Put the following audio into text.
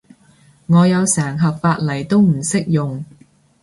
我有成盒髮泥都唔識用